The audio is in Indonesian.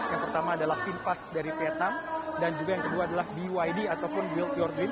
yang pertama adalah finfast dari vietnam dan juga yang kedua adalah byd ataupun yield your dream